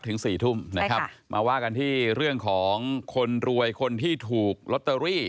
ถึงสี่ทุ่มนะครับมาว่ากันที่เรื่องของคนรวยคนที่ถูกลอตเตอรี่